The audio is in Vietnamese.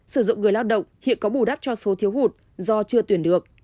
sử dụng người lao động hiện có bù đắp cho số thiếu hụt do chưa tuyển được